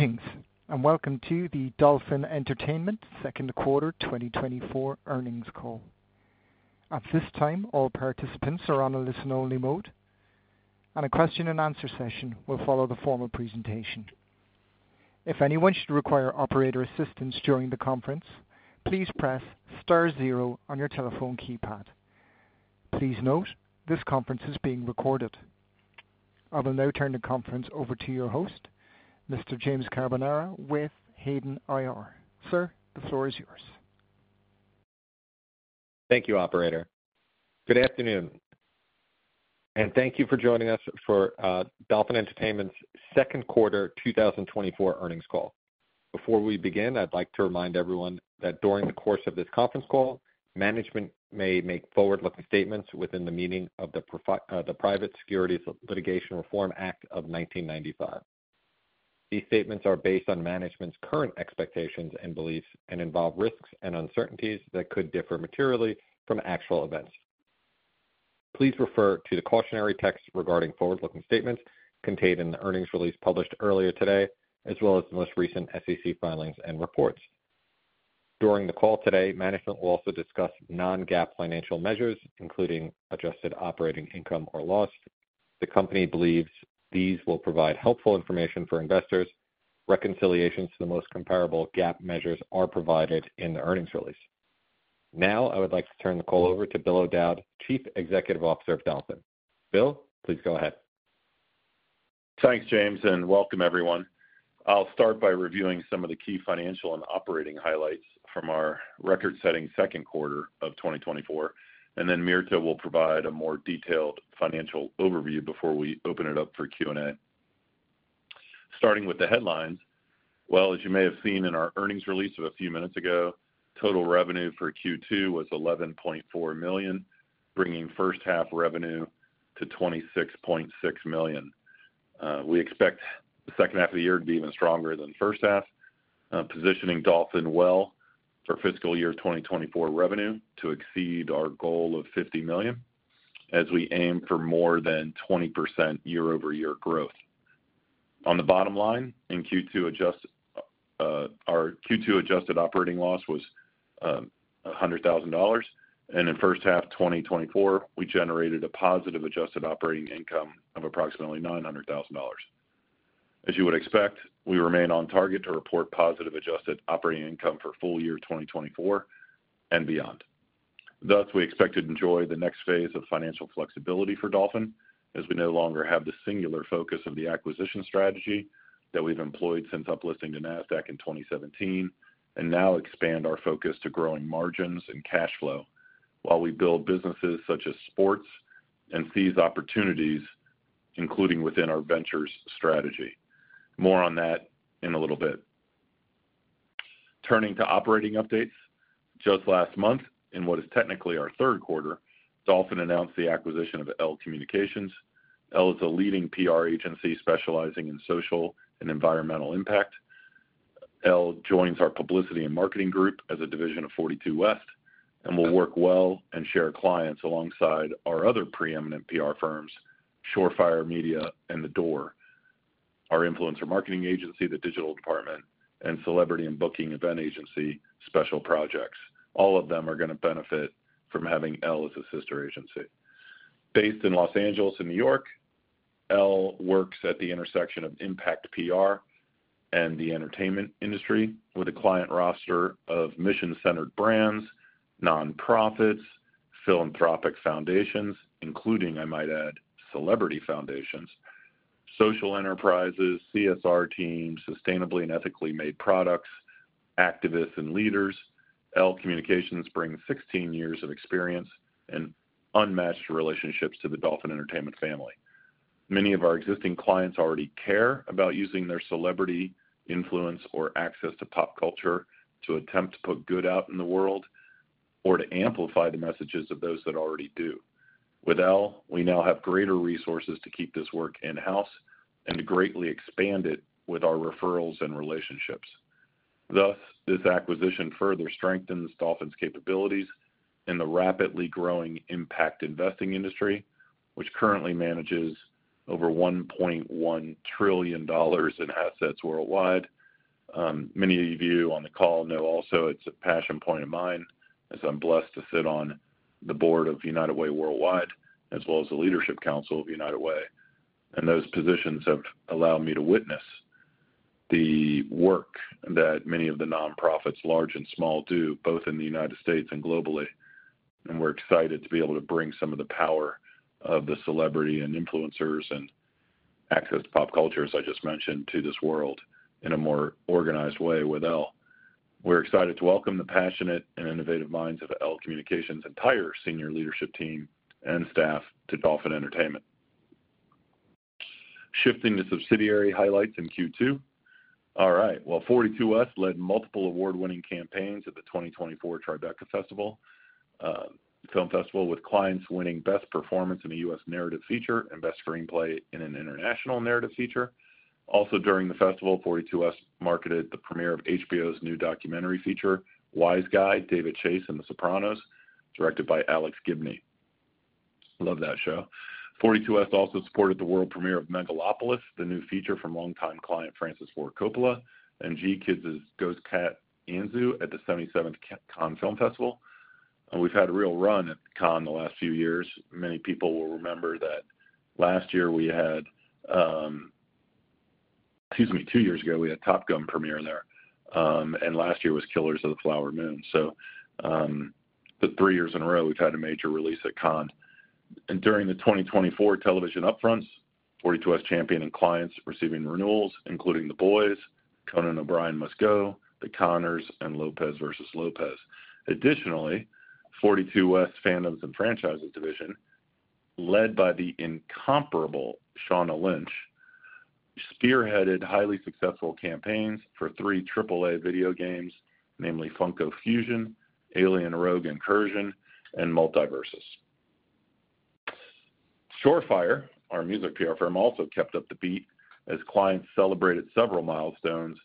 Greetings, and welcome to the Dolphin Entertainment Q2 2024 Earnings Call. At this time, all participants are on a listen-only mode, and a question-and-answer session will follow the formal presentation. If anyone should require operator assistance during the conference, please press star zero on your telephone keypad. Please note, this conference is being recorded. I will now turn the conference over to your host, Mr. James Carbonara, with Hayden IR. Sir, the floor is yours. Thank you, operator. Good afternoon, and thank you for joining us for Dolphin Entertainment's Q2 2024 Earnings Call. Before we begin, I'd like to remind everyone that during the course of this conference call, management may make forward-looking statements within the meaning of the Private Securities Litigation Reform Act of 1995. These statements are based on management's current expectations and beliefs and involve risks and uncertainties that could differ materially from actual events. Please refer to the cautionary text regarding forward-looking statements contained in the earnings release published earlier today, as well as the most recent SEC filings and reports. During the call today, management will also discuss non-GAAP financial measures, including adjusted operating income or loss. The company believes these will provide helpful information for investors. Reconciliations to the most comparable GAAP measures are provided in the earnings release. Now, I would like to turn the call over to Bill O'Dowd, Chief Executive Officer of Dolphin. Bill, please go ahead. Thanks, James, and welcome everyone. I'll start by reviewing some of the key financial and operating highlights from our record-setting Q2 of 2024, and then Mirta will provide a more detailed financial overview before we open it up for Q&A. Starting with the headlines, well, as you may have seen in our earnings release of a few minutes ago, total revenue for Q2 was $11.4 million, bringing first half revenue to $26.6 million. We expect the second half of the year to be even stronger than the first half, positioning Dolphin well for fiscal year 2024 revenue to exceed our goal of $50 million, as we aim for more than 20% year-over-year growth. On the bottom line, in Q2, our Q2 adjusted operating loss was $100,000, and in first half 2024, we generated a positive adjusted operating income of approximately $900,000. As you would expect, we remain on target to report positive adjusted operating income for full year 2024 and beyond. Thus, we expect to enjoy the next phase of financial flexibility for Dolphin, as we no longer have the singular focus of the acquisition strategy that we've employed since uplisting to NASDAQ in 2017, and now expand our focus to growing margins and cash flow while we build businesses such as sports and seize opportunities, including within our ventures strategy. More on that in a little bit. Turning to operating updates, just last month, in what is technically our Q3, Dolphin announced the acquisition of Elle Communications. Elle Communications is a leading PR agency specializing in social and environmental impact. Elle Communications joins our publicity and marketing group as a division of 42West and will work well and share clients alongside our other preeminent PR firms, Shore Fire Media and The Door, our influencer marketing agency, The Digital Department, and celebrity and booking event agency, Special Projects. All of them are gonna benefit from having Elle Communications as a sister agency. Based in Los Angeles and New York, Elle Communications works at the intersection of impact PR and the entertainment industry with a client roster of mission-centered brands, nonprofits, philanthropic foundations, including, I might add, celebrity foundations, social enterprises, CSR teams, sustainably and ethically made products, activists and leaders. Elle Communications brings 16 years of experience and unmatched relationships to the Dolphin Entertainment family. Many of our existing clients already care about using their celebrity influence or access to pop culture to attempt to put good out in the world or to amplify the messages of those that already do. With Elle, we now have greater resources to keep this work in-house and to greatly expand it with our referrals and relationships. Thus, this acquisition further strengthens Dolphin's capabilities in the rapidly growing impact investing industry, which currently manages over $1.1 trillion in assets worldwide. Many of you on the call know also it's a passion point of mine, as I'm blessed to sit on the board of United Way Worldwide, as well as the Leadership Council of United Way. Those positions have allowed me to witness the work that many of the nonprofits, large and small, do, both in the United States and globally. We're excited to be able to bring some of the power of the celebrity and influencers and access to pop culture, as I just mentioned, to this world in a more organized way with Elle. We're excited to welcome the passionate and innovative minds of Elle Communications' entire senior leadership team and staff to Dolphin Entertainment. Shifting to subsidiary highlights in Q2. All right. Well, 42West led multiple award-winning campaigns at the 2024 Tribeca Festival film festival, with clients winning Best Performance in a U.S. Narrative Feature and Best Screenplay in an International Narrative Feature. Also, during the festival, 42West marketed the premiere of HBO's new documentary feature, Wiseguy: David Chase and The Sopranos, directed by Alex Gibney.... Love that show! 42West also supported the world premiere of Megalopolis, the new feature from longtime client, Francis Ford Coppola, and GKIDS' Ghost Cat Anzu at the 77th Cannes Film Festival. We've had a real run at Cannes the last few years. Many people will remember that two years ago, we had Top Gun premiere there, and last year was Killers of the Flower Moon. But three years in a row, we've had a major release at Cannes. And during the 2024 television upfronts, 42West championed clients receiving renewals, including The Boys, Conan O'Brien Must Go, The Conners, and Lopez vs Lopez. Additionally, 42West Fandoms & Franchises division, led by the incomparable Shauna Lynch, spearheaded highly successful campaigns for three AAA video games, namely Funko Fusion, Alien: Rogue Incursion, and MultiVersus. Shore Fire, our music PR firm, also kept up the beat as clients celebrated several milestones,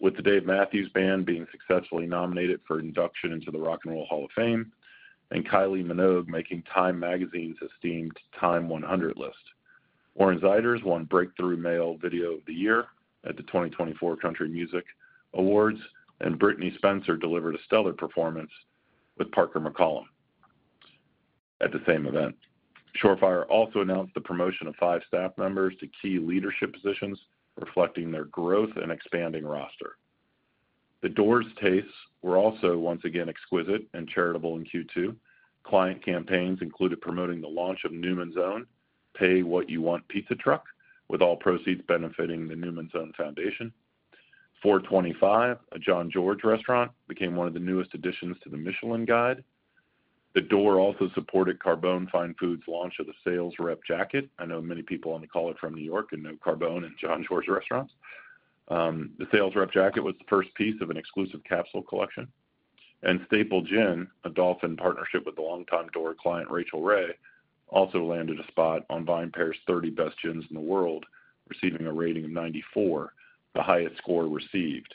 with the Dave Matthews Band being successfully nominated for induction into the Rock and Roll Hall of Fame, and Kylie Minogue making TIME magazine's esteemed TIME 100 list, Warren Zeiders breakthrough male video of the year at the 2024 Country Music Awards, and Brittney Spencer delivered a stellar performance with Parker McCollum at the same event. Shore Fire also announced the promotion of five staff members to key leadership positions, reflecting their growth and expanding roster. The Door's tastes were also once again exquisite and charitable in Q2. Client campaigns included promoting the launch of Newman's Own Pay What You Want pizza truck, with all proceeds benefiting the Newman's Own Foundation. Four Twenty Five, a Jean-Georges restaurant, became one of the newest additions to the Michelin Guide. The Door also supported Carbone Fine Foods launch of the Sales Rep Jacket. I know many people on the call are from New York and know Carbone and Jean-Georges restaurants. The Sales Rep Jacket was the first piece of an exclusive capsule collection, and Staple Gin, a Dolphin partnership with the longtime Door client, Rachael Ray, also landed a spot on VinePair's 30 Best Gins in the World, receiving a rating of 94, the highest score received.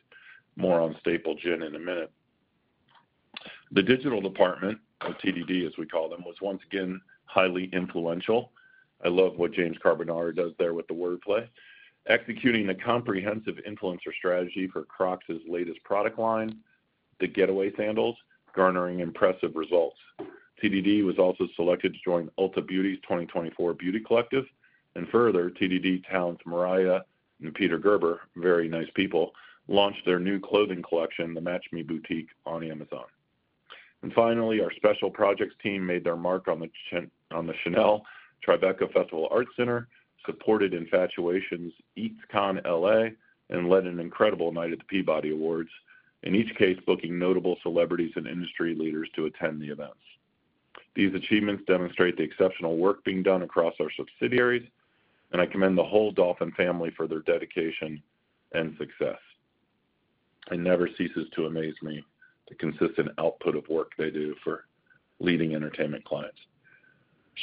More on Staple Gin in a minute. The Digital Department, or TDD, as we call them, was once again highly influential. I love what James Carbonara does there with the wordplay. Executing a comprehensive influencer strategy for Crocs' latest product line, the Getaway Sandals, garnering impressive results. TDD was also selected to join Ulta Beauty's 2024 Beauty Collective, and further, TDD talent, Mariah McAlpin and Peter Gerber, very nice people, launched their new clothing collection, the Match Me Boutique, on Amazon. Finally, our Special Projects team made their mark on the Chanel Tribeca Festival Art Center, supported The Infatuation's EEEEEATSCON LA, and led an incredible night at the Peabody Awards, in each case, booking notable celebrities and industry leaders to attend the events. These achievements demonstrate the exceptional work being done across our subsidiaries, and I commend the whole Dolphin family for their dedication and success. It never ceases to amaze me, the consistent output of work they do for leading entertainment clients.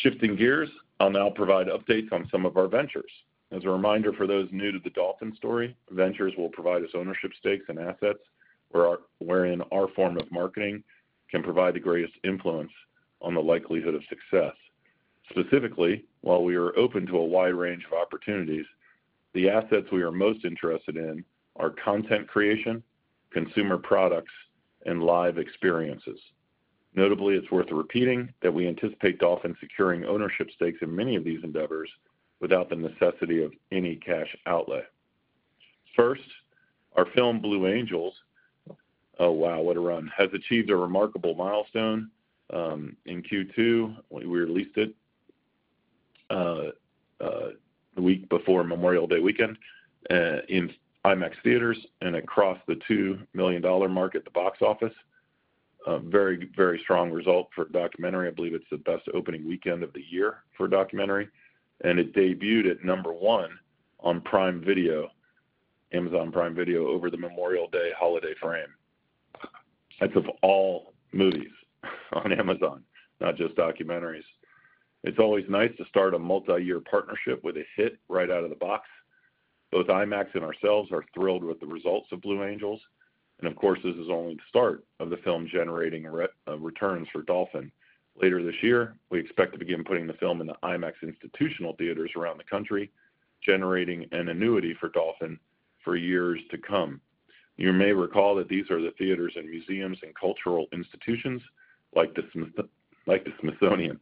Shifting gears, I'll now provide updates on some of our ventures. As a reminder for those new to the Dolphin story, ventures will provide us ownership stakes and assets, wherein our form of marketing can provide the greatest influence on the likelihood of success. Specifically, while we are open to a wide range of opportunities, the assets we are most interested in are content creation, consumer products, and live experiences. Notably, it's worth repeating that we anticipate Dolphin securing ownership stakes in many of these endeavors without the necessity of any cash outlay. First, our film, Blue Angels, oh, wow, what a run, has achieved a remarkable milestone in Q2. We released it the week before Memorial Day weekend in IMAX theaters and across the $2 million mark at the box office. A very, very strong result for a documentary. I believe it's the best opening weekend of the year for a documentary, and it debuted at number one on Prime Video, Amazon Prime Video, over the Memorial Day holiday frame. That's of all movies on Amazon, not just documentaries. It's always nice to start a multi-year partnership with a hit right out of the box. Both IMAX and ourselves are thrilled with the results of Blue Angels, and of course, this is only the start of the film generating returns for Dolphin. Later this year, we expect to begin putting the film in the IMAX institutional theaters around the country, generating an annuity for Dolphin for years to come. You may recall that these are the theaters and museums and cultural institutions like the Smithsonian.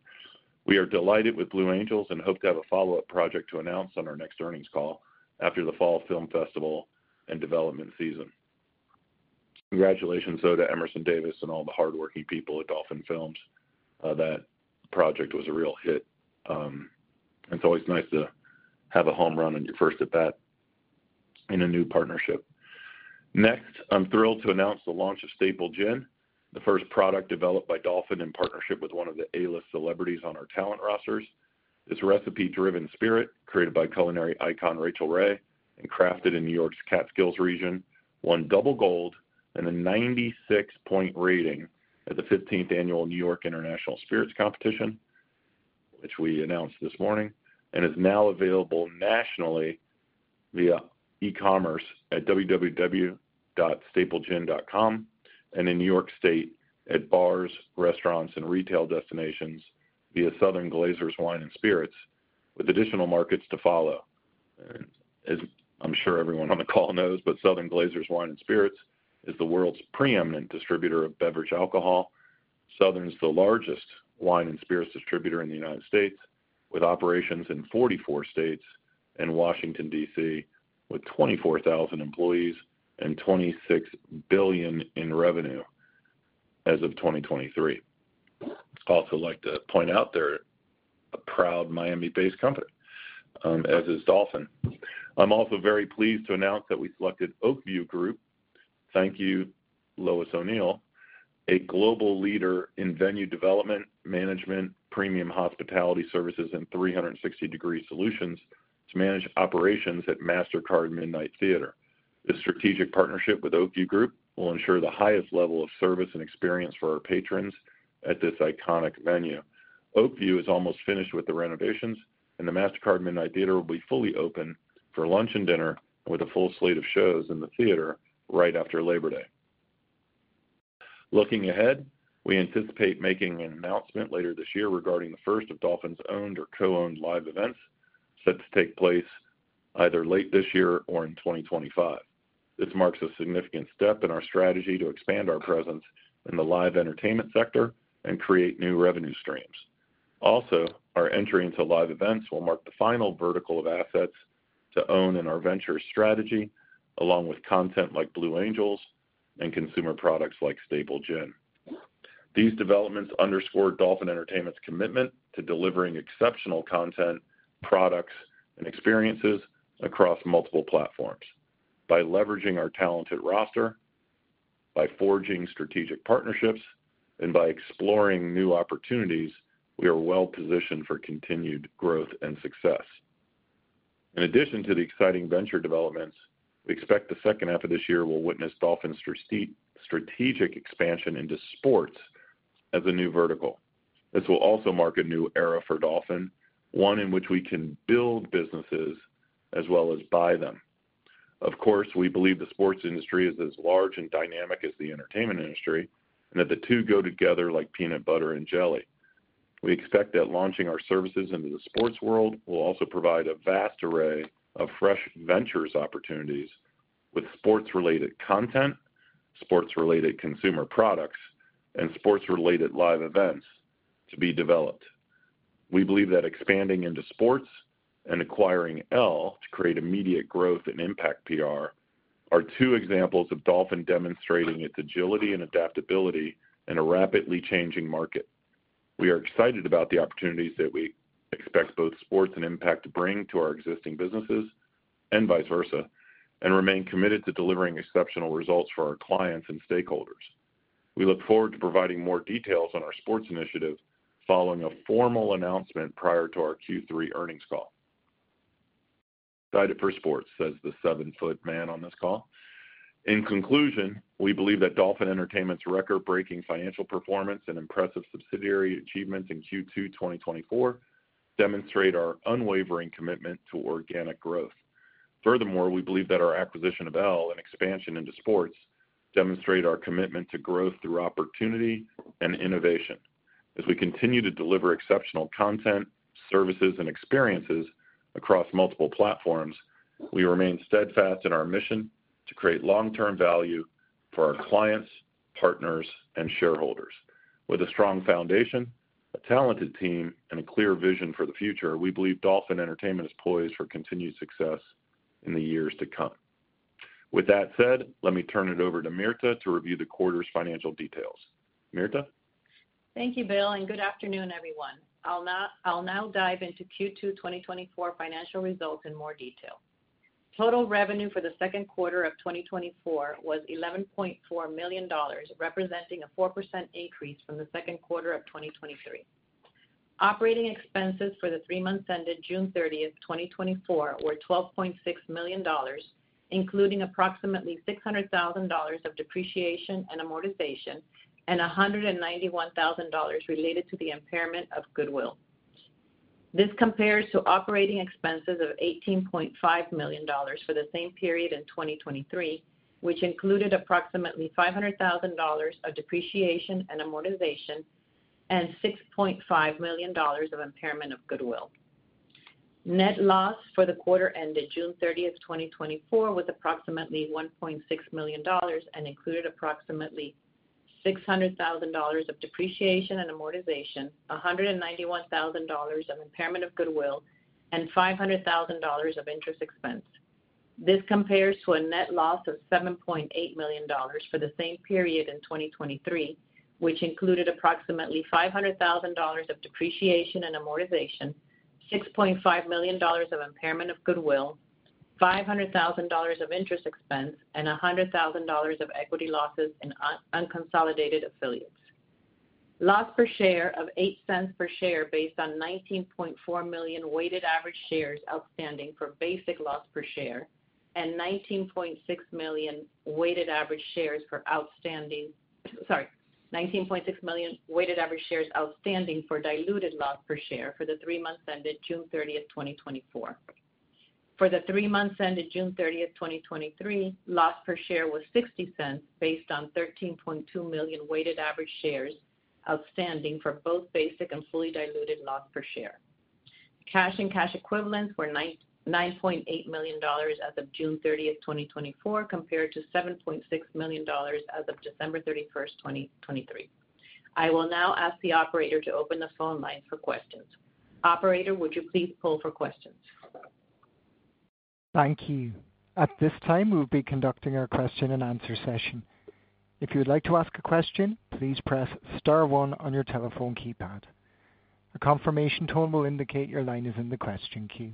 We are delighted with Blue Angels and hope to have a follow-up project to announce on our next Earnings Call after the Fall Film Festival and development season. Congratulations, though, to Emerson Davis and all the hardworking people at Dolphin Films. That project was a real hit. It's always nice to have a home run on your first at-bat in a new partnership. Next, I'm thrilled to announce the launch of Staple Gin, the first product developed by Dolphin in partnership with one of the A-list celebrities on our talent rosters. This recipe-driven spirit, created by culinary icon Rachael Ray and crafted in New York's Catskills region, won double gold and a 96-point rating at the 15th annual New York International Spirits Competition, which we announced this morning, and is now available nationally-... via e-commerce at www.staplegin.com, and in New York State, at bars, restaurants, and retail destinations via Southern Glazer's Wine and Spirits, with additional markets to follow. As I'm sure everyone on the call knows, but Southern Glazer's Wine and Spirits is the world's preeminent distributor of beverage alcohol. Southern is the largest wine and spirits distributor in the United States, with operations in 44 states and Washington, D.C., with 24,000 employees and $26 billion in revenue as of 2023. I'd also like to point out they're a proud Miami-based company, as is Dolphin. I'm also very pleased to announce that we selected Oak View Group, thank you, Lois O'Neill, a global leader in venue development, management, premium hospitality services, and 360-degree solutions to manage operations at Mastercard Midnight Theatre. This strategic partnership with Oak View Group will ensure the highest level of service and experience for our patrons at this iconic venue. Oak View is almost finished with the renovations, and the Mastercard Midnight Theatre will be fully open for lunch and dinner, with a full slate of shows in the theater right after Labor Day. Looking ahead, we anticipate making an announcement later this year regarding the first of Dolphin's owned or co-owned live events, set to take place either late this year or in 2025. This marks a significant step in our strategy to expand our presence in the live entertainment sector and create new revenue streams. Also, our entry into live events will mark the final vertical of assets to own in our venture strategy, along with content like Blue Angels and consumer products like Staple Gin. These developments underscore Dolphin Entertainment's commitment to delivering exceptional content, products, and experiences across multiple platforms. By leveraging our talented roster, by forging strategic partnerships, and by exploring new opportunities, we are well-positioned for continued growth and success. In addition to the exciting venture developments, we expect the second half of this year will witness Dolphin's strategic expansion into sports as a new vertical. This will also mark a new era for Dolphin, one in which we can build businesses as well as buy them. Of course, we believe the sports industry is as large and dynamic as the entertainment industry, and that the two go together like peanut butter and jelly. We expect that launching our services into the sports world will also provide a vast array of fresh ventures opportunities with sports-related content, sports-related consumer products, and sports-related live events to be developed. We believe that expanding into sports and acquiring Elle to create immediate growth in Impact PR are two examples of Dolphin demonstrating its agility and adaptability in a rapidly changing market. We are excited about the opportunities that we expect both sports and Impact to bring to our existing businesses and vice versa, and remain committed to delivering exceptional results for our clients and stakeholders. We look forward to providing more details on our sports initiative following a formal announcement prior to our Q3 Earnings Call. Excited for sports, says the seven-foot man on this call. In conclusion, we believe that Dolphin Entertainment's record-breaking financial performance and impressive subsidiary achievements in Q2 2024 demonstrate our unwavering commitment to organic growth. Furthermore, we believe that our acquisition of Elle and expansion into sports demonstrate our commitment to growth through opportunity and innovation. As we continue to deliver exceptional content, services, and experiences across multiple platforms, we remain steadfast in our mission to create long-term value for our clients, partners, and shareholders. With a strong foundation, a talented team, and a clear vision for the future, we believe Dolphin Entertainment is poised for continued success in the years to come. With that said, let me turn it over to Mirta to review the quarter's financial details. Mirta? Thank you, Bill, and good afternoon, everyone. I'll now dive into Q2 2024 financial results in more detail. Total revenue for the Q2 of 2024 was $11.4 million, representing a 4% increase from the Q2 of 2023. Operating expenses for the three months ended June 30, 2024, were $12.6 million, including approximately $600,000 of depreciation and amortization, and $191,000 related to the impairment of goodwill. This compares to operating expenses of $18.5 million for the same period in 2023, which included approximately $500,000 of depreciation and amortization and $6.5 million of impairment of goodwill. Net loss for the quarter ended June 30, 2024, was approximately $1.6 million and included approximately $600,000 of depreciation and amortization, $191,000 of impairment of goodwill, and $500,000 of interest expense. This compares to a net loss of $7.8 million for the same period in 2023, which included approximately $500,000 of depreciation and amortization, $6.5 million of impairment of goodwill, $500,000 of interest expense, and $100,000 of equity losses in unconsolidated affiliates. Loss per share of 8 cents per share, based on 19.4 million weighted average shares outstanding for basic loss per share.... 19.6 million weighted average shares for outstanding, sorry, 19.6 million weighted average shares outstanding for diluted loss per share for the three months ended June 30, 2024. For the three months ended June 30, 2023, loss per share was $0.60, based on 13.2 million weighted average shares outstanding for both basic and fully diluted loss per share. Cash and cash equivalents were $9.8 million as of June 30, 2024, compared to $7.6 million as of December 31, 2023. I will now ask the operator to open the phone lines for questions. Operator, would you please poll for questions? Thank you. At this time, we'll be conducting our question and answer session. If you would like to ask a question, please press star one on your telephone keypad. A confirmation tone will indicate your line is in the question queue,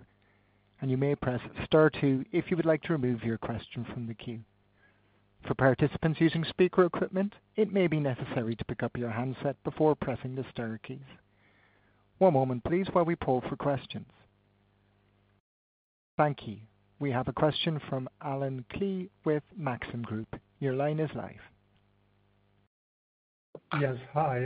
and you may press star two if you would like to remove your question from the queue. For participants using speaker equipment, it may be necessary to pick up your handset before pressing the star keys. One moment please, while we poll for questions. Thank you. We have a question from Alan Klee with Maxim Group. Your line is live. Yes, hi.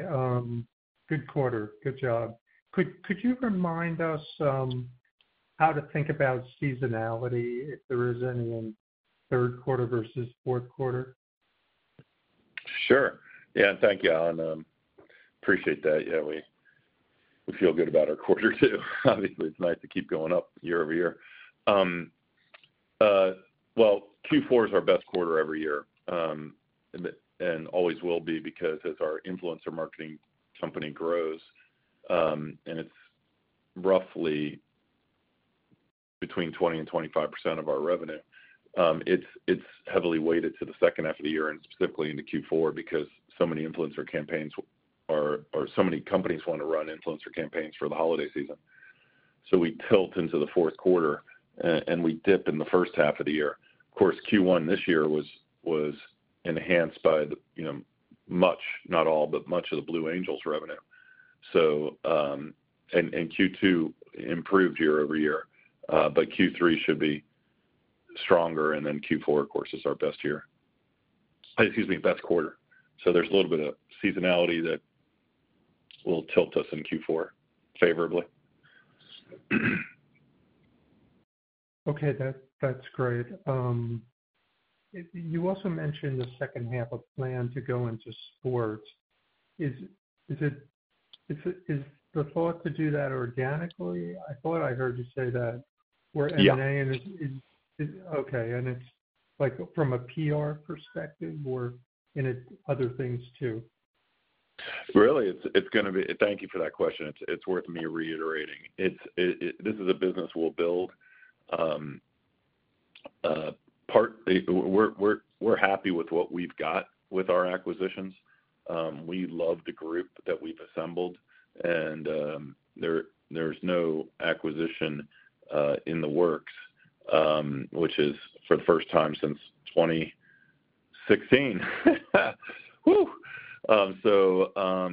Good quarter. Good job. Could you remind us how to think about seasonality, if there is any, in Q3 versus Q4? Sure! Yeah, thank you, Alan. Appreciate that. Yeah, we feel good about our quarter, too. Obviously, it's nice to keep going up year-over-year. Well, Q4 is our best quarter every year, and always will be, because as our influencer marketing company grows, and it's roughly between 20 and 25% of our revenue, it's heavily weighted to the second half of the year and specifically into Q4, because so many influencer campaigns or so many companies want to run influencer campaigns for the holiday season. So we tilt into the Q4, and we dip in the first half of the year. Of course, Q1 this year was enhanced by the, you know, much, not all, but much of the Blue Angels revenue. So, and Q2 improved year-over-year, but Q3 should be stronger, and then Q4, of course, is our best year. Excuse me, best quarter. So there's a little bit of seasonality that will tilt us in Q4 favorably. Okay, that's great. You also mentioned in the second half a plan to go into sports. Is it the thought to do that organically? I thought I heard you say that where- Yeah. M&A and it... Okay, and it's, like, from a PR perspective or in other things too? Really, it's gonna be— Thank you for that question. It's this is a business we'll build. We're happy with what we've got with our acquisitions. We love the group that we've assembled, and there's no acquisition in the works, which is for the first time since 2016. Whoo! So,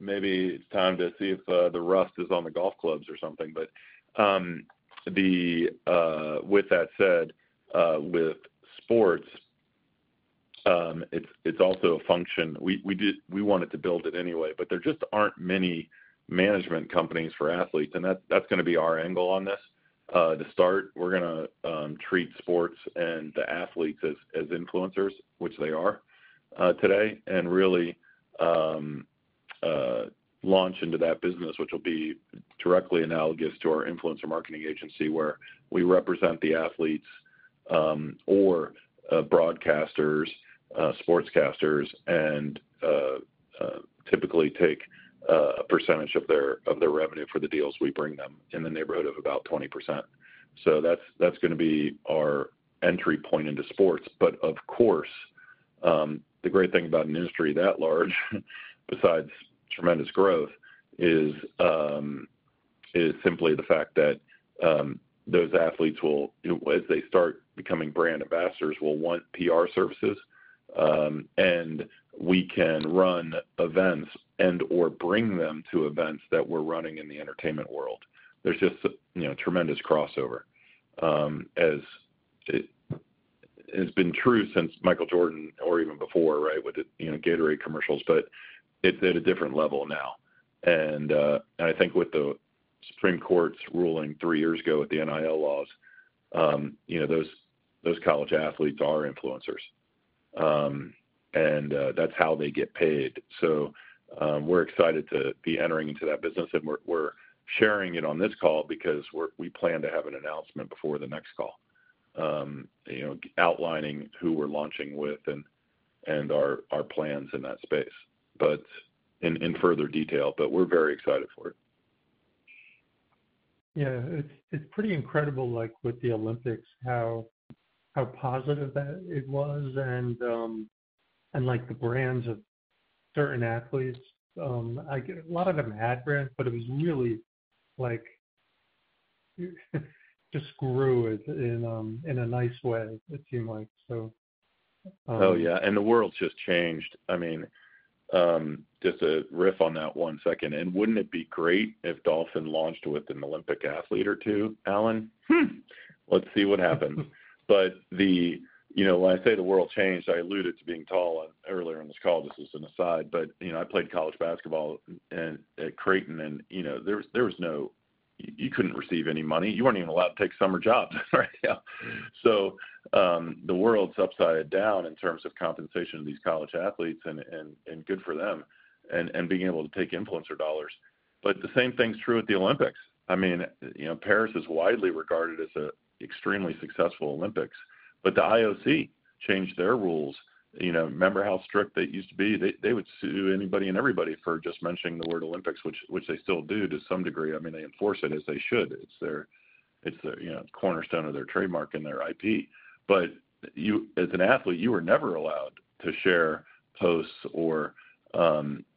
maybe it's time to see if the rust is on the golf clubs or something. But with that said, with sports, it's also a function. We did—we wanted to build it anyway, but there just aren't many management companies for athletes, and that's gonna be our angle on this. To start, we're gonna treat sports and the athletes as influencers, which they are today, and really launch into that business, which will be directly analogous to our influencer marketing agency, where we represent the athletes or broadcasters, sportscasters, and typically take a percentage of their revenue for the deals we bring them in the neighborhood of about 20%. So that's gonna be our entry point into sports. But of course, the great thing about an industry that large, besides tremendous growth, is simply the fact that those athletes, as they start becoming brand ambassadors, will want PR services, and we can run events and/or bring them to events that we're running in the entertainment world. There's just, you know, tremendous crossover, as it has been true since Michael Jordan or even before, right? With the, you know, Gatorade commercials, but it's at a different level now. And I think with the Supreme Court's ruling 3 years ago with the NIL laws, you know, those, those college athletes are influencers. And that's how they get paid. So, we're excited to be entering into that business, and we're, we're sharing it on this call because we plan to have an announcement before the next call. You know, outlining who we're launching with and, and our, our plans in that space, but in, in further detail, but we're very excited for it. Yeah, it's pretty incredible, like with the Olympics, how positive that it was and like the brands of certain athletes. I get a lot of them had brands, but it was really like, just grew in a nice way, it seemed like so.... Oh, yeah, and the world's just changed. I mean, just to riff on that one second, and wouldn't it be great if Dolphin launched with an Olympic athlete or two, Alan? Hmm, let's see what happens. But the, you know, when I say the world changed, I alluded to being tall earlier on this call, this is an aside, but, you know, I played college basketball and at Creighton, and, you know, there was no - you couldn't receive any money. You weren't even allowed to take summer jobs, right? Yeah. So, the world's upside down in terms of compensation of these college athletes, and good for them, and being able to take influencer dollars. But the same thing's true at the Olympics. I mean, you know, Paris is widely regarded as an extremely successful Olympics, but the IOC changed their rules. You know, remember how strict they used to be? They would sue anybody and everybody for just mentioning the word Olympics, which they still do to some degree. I mean, they enforce it, as they should. It's their, it's the, you know, cornerstone of their trademark and their IP. But you-- as an athlete, you were never allowed to share posts or,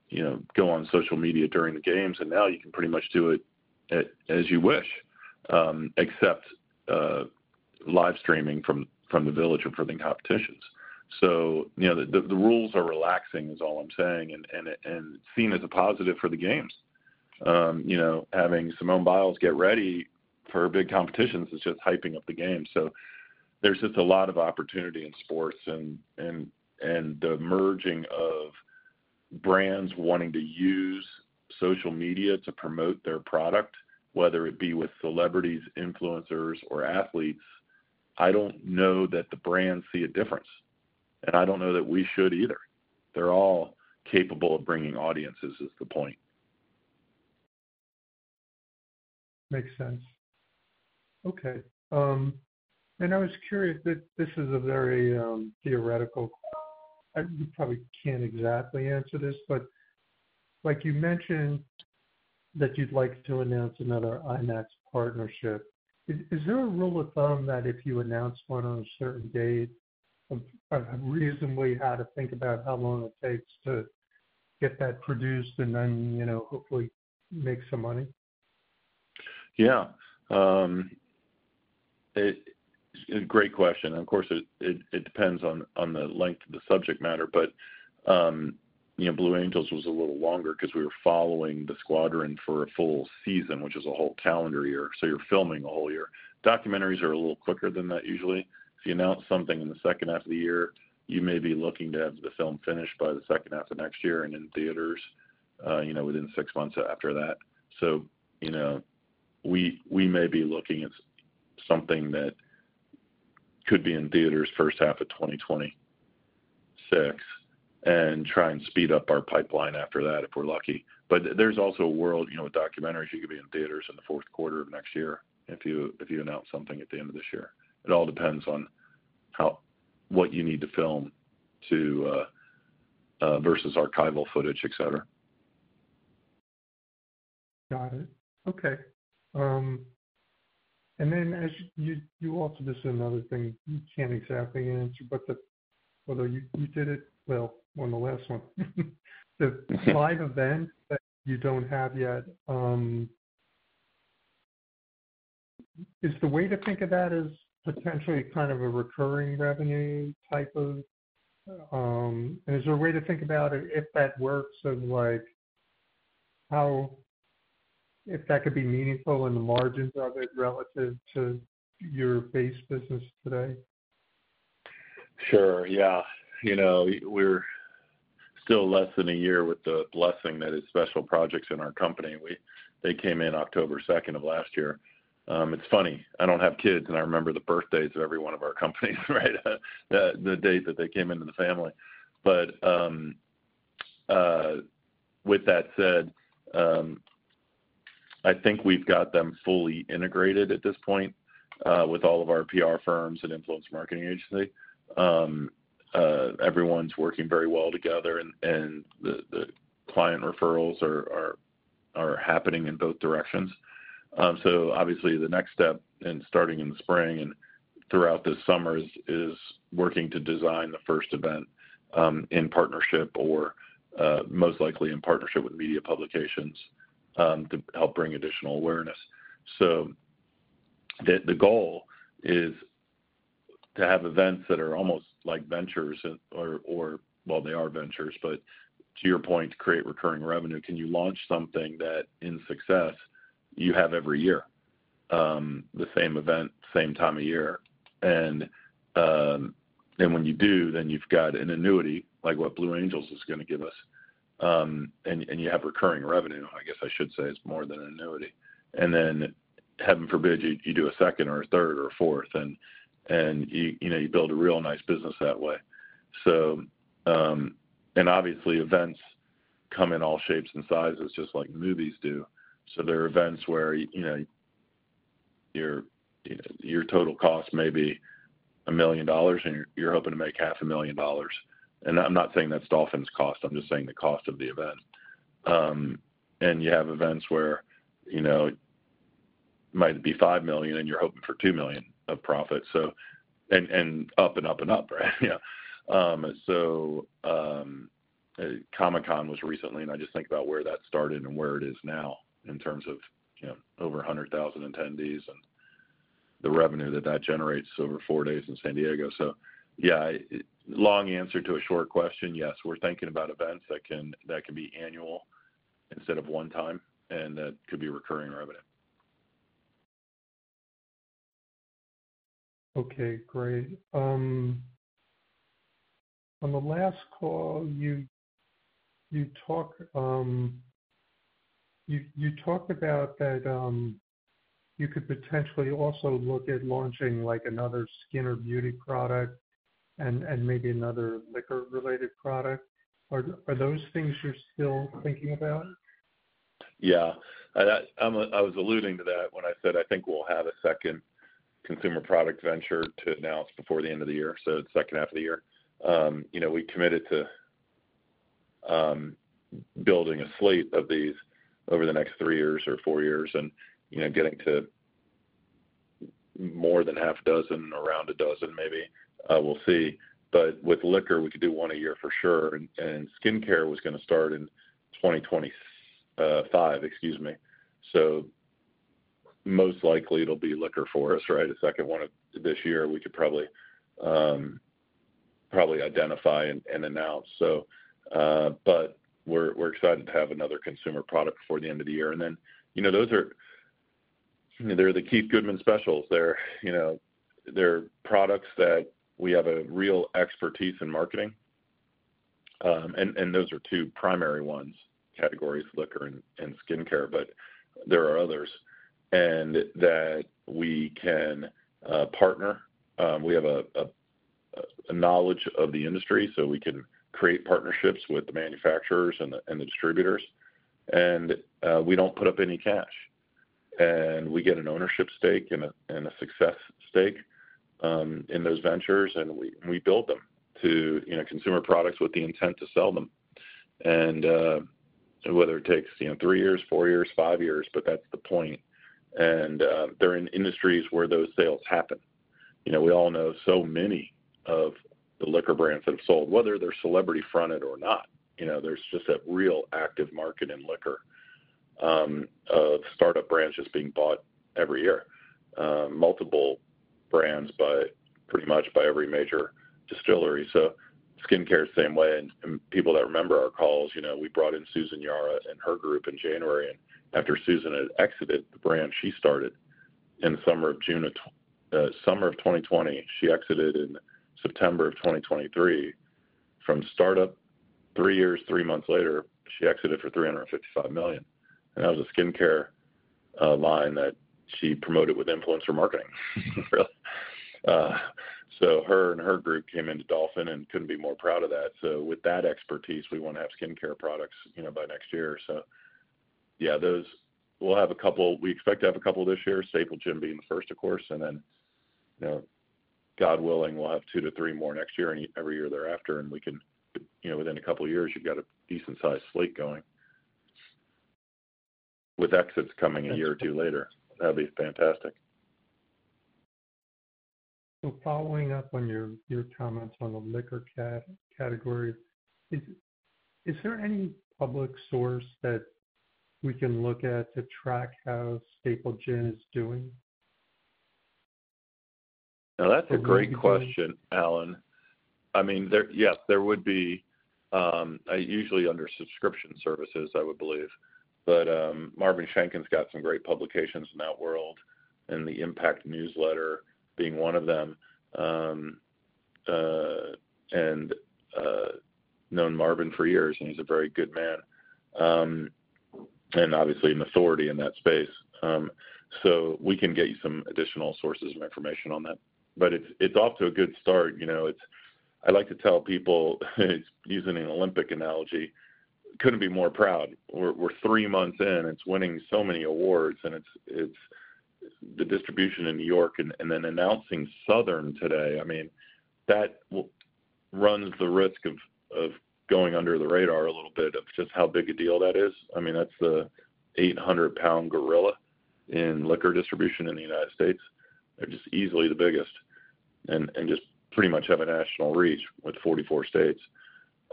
you know, go on social media during the games, and now you can pretty much do it as you wish, except live streaming from the village or from the competitions. So, you know, the rules are relaxing, is all I'm saying, and it's seen as a positive for the games. You know, having Simone Biles get ready for big competitions is just hyping up the game. So there's just a lot of opportunity in sports, and the merging of brands wanting to use social media to promote their product, whether it be with celebrities, influencers, or athletes, I don't know that the brands see a difference, and I don't know that we should either. They're all capable of bringing audiences, is the point. Makes sense. Okay, and I was curious, that this is a very theoretical, you probably can't exactly answer this, but like you mentioned, that you'd like to announce another IMAX partnership. Is, is there a rule of thumb that if you announce one on a certain date, a reason we had to think about how long it takes to get that produced and then, you know, hopefully make some money? Yeah, great question. Of course, it depends on the length of the subject matter, but, you know, Blue Angels was a little longer 'cause we were following the squadron for a full season, which is a whole calendar year, so you're filming the whole year. Documentaries are a little quicker than that usually. If you announce something in the second half of the year, you may be looking to have the film finished by the second half of next year and in theaters, you know, within six months after that. So, you know, we may be looking at something that could be in theaters first half of 2026, and try and speed up our pipeline after that, if we're lucky. But there's also a world, you know, with documentaries, you could be in theaters in the Q4 of next year if you, if you announce something at the end of this year. It all depends on how, what you need to film too versus archival footage, et cetera. Got it. Okay, and then as you also—this is another thing you can't exactly answer, but although you did it well on the last one. The five events that you don't have yet is the way to think of that as potentially kind of a recurring revenue type of... Is there a way to think about it if that works, and, like, how... if that could be meaningful in the margins of it relative to your base business today? Sure. Yeah. You know, we're still less than a year with the blessing that is Special Projects in our company. They came in October 2nd of last year. It's funny, I don't have kids, and I remember the birthdays of every one of our companies, right? The date that they came into the family. But with that said, I think we've got them fully integrated at this point with all of our PR firms and influencer marketing agency. Everyone's working very well together, and the client referrals are happening in both directions. So obviously, the next step, starting in the spring and throughout this summer, is working to design the first event in partnership, or most likely in partnership with media publications, to help bring additional awareness. So the goal is to have events that are almost like ventures or... Well, they are ventures, but to your point, create recurring revenue. Can you launch something that, in success, you have every year? The same event, same time of year. And when you do, then you've got an annuity, like what Blue Angels is gonna give us, and you have recurring revenue, I guess I should say, it's more than an annuity. And then, heaven forbid, you do a second or a third or fourth and, you know, you build a real nice business that way. So, and obviously, events come in all shapes and sizes, just like movies do. So there are events where, you know, your total cost may be $1 million, and you're hoping to make $500,000. I'm not saying that's Dolphin's cost, I'm just saying the cost of the event. And you have events where, you know, it might be $5 million, and you're hoping for $2 million of profit. So, and up and up and up, right? Yeah. Comic-Con was recently, and I just think about where that started and where it is now in terms of, you know, over 100,000 attendees and the revenue that that generates over 4 days in San Diego. So, yeah, long answer to a short question, yes, we're thinking about events that can, that can be annual instead of one time, and that could be recurring revenue. Okay, great. On the last call, you talked about that you could potentially also look at launching, like, another skin or beauty product and maybe another liquor-related product. Are those things you're still thinking about? Yeah. I'm alluding to that when I said I think we'll have a second consumer product venture to announce before the end of the year, so the second half of the year. You know, we committed to building a slate of these over the next 3 years or 4 years and, you know, getting to more than half a dozen, around a dozen, maybe, we'll see. But with liquor, we could do 1 a year for sure, and skincare was gonna start in 2025, excuse me. So most likely it'll be liquor for us, right? A second one this year, we could probably identify and announce. So, but we're excited to have another consumer product before the end of the year. And then, you know, those are, they're the Keith Goodman specials. They're, you know, they're products that we have a real expertise in marketing, and those are two primary ones, categories, liquor and skincare, but there are others, and that we can partner. We have a knowledge of the industry, so we can create partnerships with the manufacturers and the distributors. And we don't put up any cash, and we get an ownership stake and a success stake in those ventures, and we build them to, you know, consumer products with the intent to sell them. And whether it takes, you know, three years, four years, five years, but that's the point. And they're in industries where those sales happen. You know, we all know so many of the liquor brands that have sold, whether they're celebrity-fronted or not. You know, there's just that real active market in liquor of startup brands being bought every year, multiple brands by pretty much by every major distillery. So skincare, same way, and people that remember our calls, you know, we brought in Susan Yara and her group in January, and after Susan had exited the brand she started in the summer of 2020, she exited in September of 2023. From startup, three years, three months later, she exited for $355 million, and that was a skincare line that she promoted with influencer marketing, really. So her and her group came into Dolphin and couldn't be more proud of that. So with that expertise, we want to have skincare products, you know, by next year. So yeah, those... We'll have a couple. We expect to have a couple this year, Staple Gin being the first, of course, and then, you know, God willing, we'll have 2-3 more next year and every year thereafter. And we can, you know, within a couple of years, you've got a decent-sized slate going, with exits coming a year or two later. That'd be fantastic. So following up on your comments on the liquor category, is there any public source that we can look at to track how Staple Gin is doing? Now, that's a great question, Alan. I mean, there—yes, there would be usually under subscription services, I would believe. But Marvin Shanken's got some great publications in that world, and the Impact newsletter being one of them. And known Marvin for years, and he's a very good man, and obviously an authority in that space. So we can get you some additional sources of information on that. But it's off to a good start. You know, it's—I like to tell people, using an Olympic analogy, couldn't be more proud. We're three months in, it's winning so many awards, and it's the distribution in New York and then announcing Southern today. I mean, that runs the risk of going under the radar a little bit of just how big a deal that is. I mean, that's the 800-pound gorilla in liquor distribution in the United States. They're just easily the biggest and and just pretty much have a national reach with 44 states.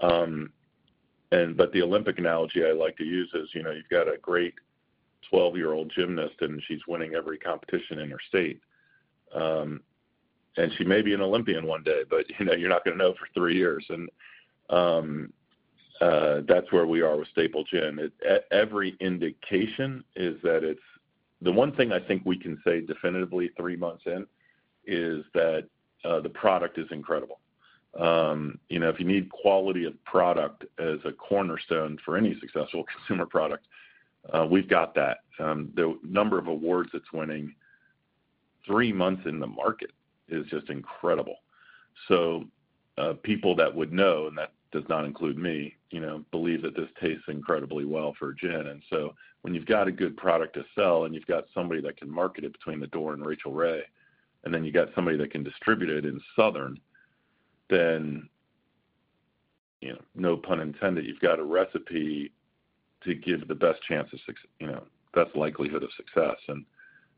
But the Olympic analogy I like to use is, you know, you've got a great 12-year-old gymnast, and she's winning every competition in her state. And she may be an Olympian one day, but, you know, you're not gonna know for 3 years. That's where we are with Staple Gin. Every indication is that it's the one thing I think we can say definitively 3 months in, is that the product is incredible. You know, if you need quality of product as a cornerstone for any successful consumer product, we've got that. The number of awards it's winning 3 months in the market is just incredible. So, people that would know, and that does not include me, you know, believe that this tastes incredibly well for gin. And so when you've got a good product to sell, and you've got somebody that can market it between The Door and Rachael Ray, and then you've got somebody that can distribute it in Southern Glazer's, then, you know, no pun intended, you've got a recipe to give the best chance of success, you know, best likelihood of success. And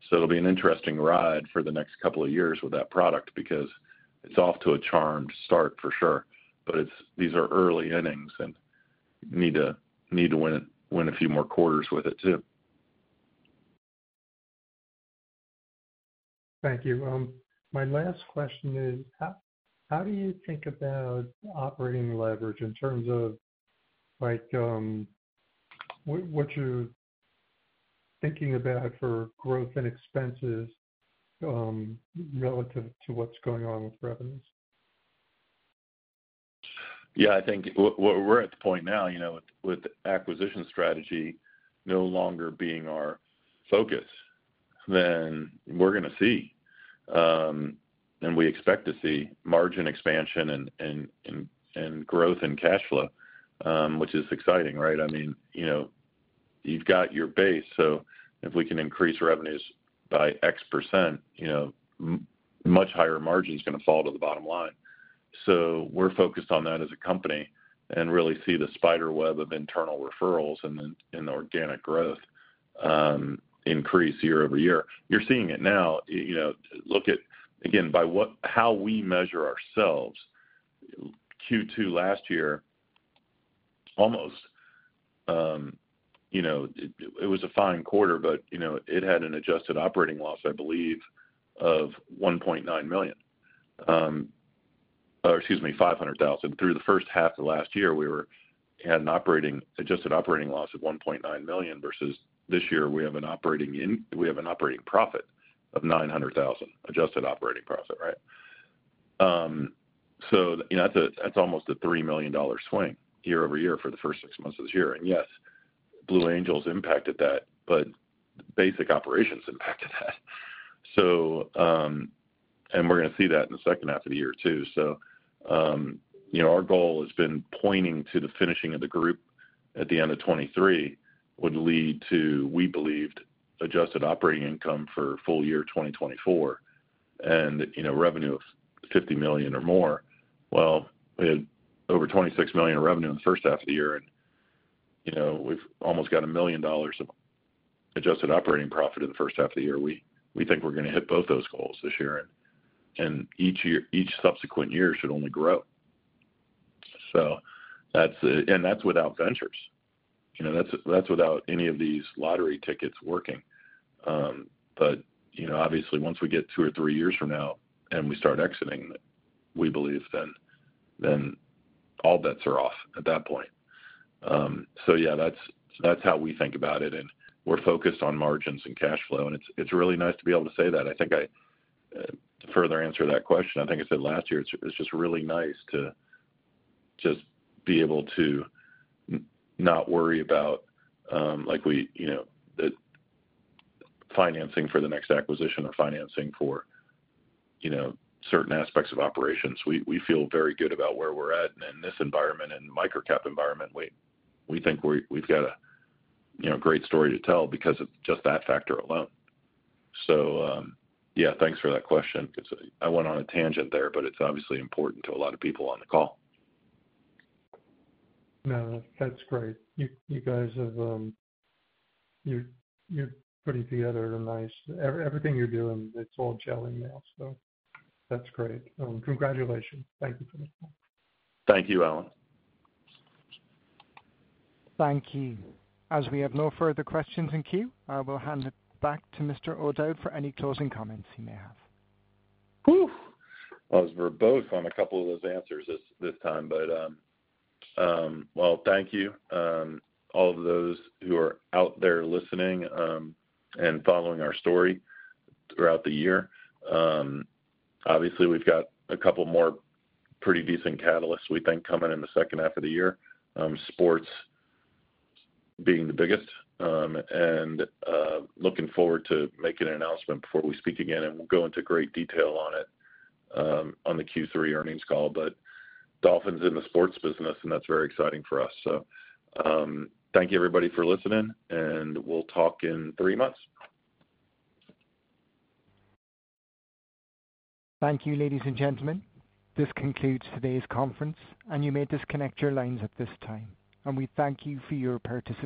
so it'll be an interesting ride for the next couple of years with that product, because it's off to a charmed start, for sure. But it's, these are early innings, and you need to win a few more quarters with it, too. Thank you. My last question is: how do you think about operating leverage in terms of, like, what you're thinking about for growth and expenses, relative to what's going on with revenues? Yeah, I think we're at the point now, you know, with acquisition strategy no longer being our focus, then we're gonna see, and we expect to see margin expansion and growth in cash flow, which is exciting, right? I mean, you know, you've got your base, so if we can increase revenues by X%, you know, much higher margin is gonna fall to the bottom line. So we're focused on that as a company, and really see the spider web of internal referrals and then the organic growth increase year-over-year. You're seeing it now. You know, look at, again, by how we measure ourselves, Q2 last year, almost, you know, it was a fine quarter, but, you know, it had an adjusted operating loss, I believe, of $1.9 million. Or excuse me, $500,000. Through the first half of last year, we had an operating, adjusted operating loss of $1.9 million, versus this year, we have an operating profit of $900,000. Adjusted operating profit, right? So, you know, that's a, that's almost a $3 million swing year-over-year for the first six months of this year. And yes, Blue Angels impacted that, but basic operations impacted that. So, you know, our goal has been pointing to the finishing of the group at the end of 2023, would lead to, we believed, adjusted operating income for full year 2024, and, you know, revenue of $50 million or more. Well, we had over $26 million in revenue in the first half of the year, and, you know, we've almost got $1 million of adjusted operating profit in the first half of the year. We, we think we're gonna hit both those goals this year, and, and each year, each subsequent year should only grow. So that's the. And that's without ventures. You know, that's, that's without any of these lottery tickets working. But, you know, obviously, once we get two or three years from now and we start exiting, we believe then, then all bets are off at that point. So yeah, that's, that's how we think about it, and we're focused on margins and cash flow, and it's, it's really nice to be able to say that. I think I to further answer that question, I think I said last year, it's just really nice to just be able to not worry about, like, we, you know, the financing for the next acquisition or financing for, you know, certain aspects of operations. We feel very good about where we're at in this environment and microcap environment. We think we've got a, you know, great story to tell because of just that factor alone. So, yeah, thanks for that question, because I went on a tangent there, but it's obviously important to a lot of people on the call. No, that's great. You guys have, you're putting together a nice... everything you're doing, it's all gelling now, so that's great. Congratulations. Thank you for this. Thank you, Alan. Thank you. As we have no further questions in queue, I will hand it back to Mr. O'Dowd for any closing comments he may have. Whew! I was verbose on a couple of those answers this time, but, well, thank you, all of those who are out there listening, and following our story throughout the year. Obviously, we've got a couple more pretty decent catalysts, we think, coming in the second half of the year. Sports being the biggest, and looking forward to making an announcement before we speak again, and we'll go into great detail on it, on the Q3 Earnings Call. But Dolphins in the sports business, and that's very exciting for us. So, thank you, everybody, for listening, and we'll talk in three months. Thank you, ladies and gentlemen. This concludes today's conference, and you may disconnect your lines at this time, and we thank you for your participation.